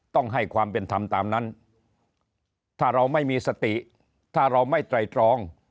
ต้องให้ความเป็นธรรมตามนั้นถ้าเราไม่มีสติถ้าเราไม่ไตรตรอง